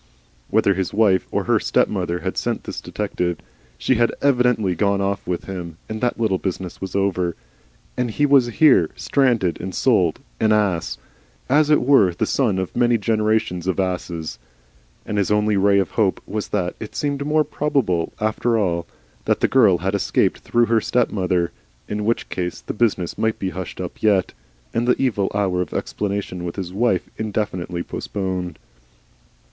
Whether his wife or HER stepmother had sent the detective, SHE had evidently gone off with him, and that little business was over. And he was here, stranded and sold, an ass, and as it were, the son of many generations of asses. And his only ray of hope was that it seemed more probable, after all, that the girl had escaped through her stepmother. In which case the business might be hushed up yet, and the evil hour of explanation with his wife indefinitely postponed.